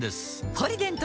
「ポリデント」